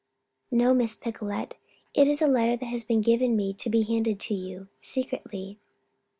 "No, Miss Picolet. It it is a letter that has been given me to be handed to you secretly."